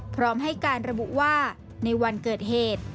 พร้อมให้การระบุว่าในวันเกิดเหตุ